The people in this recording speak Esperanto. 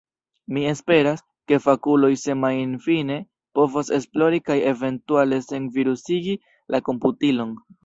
Mi esperas, ke fakuloj semajnfine povos esplori kaj eventuale senvirusigi la komputilon.